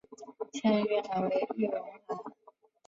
现任院长为易荣华。